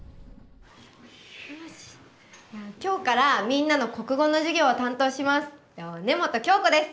今日からみんなの国語の授業を担当します根本京子です。